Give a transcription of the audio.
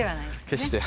決して。